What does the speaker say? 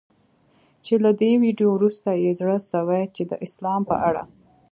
چي له دې ویډیو وروسته یې زړه سوی چي د اسلام په اړه